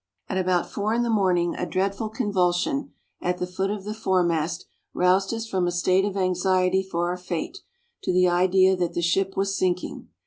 At about four in the morning a dreadful convulsion, at the foot of the fore mast, roused us from a state of anxiety for our fate, to the idea that the ship was sinking.